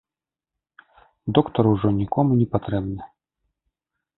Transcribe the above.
Доктар ужо нікому не патрэбны.